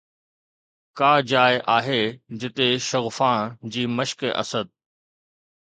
ڪا جاءِ آهي جتي شغفان جي مشق اسد!